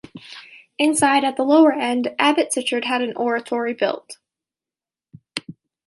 Inside, at the lower end, Abbot Sichard had an oratory built.